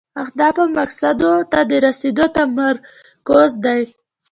اهدافو او مقاصدو ته د رسیدو تمرکز دی.